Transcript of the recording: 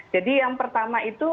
jadi yang pertama itu